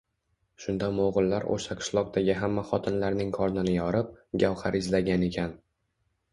Shunda móg'ullar ósha qishloqdagi hamma xotinlarning qornini yorib, gavhar izlagan ekan